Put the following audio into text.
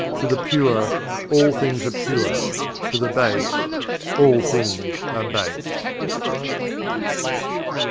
To the pure, all things are pure; to the base, all things are base.